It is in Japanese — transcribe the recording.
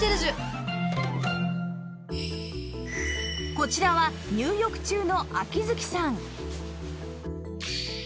こちらは入浴中の秋月さん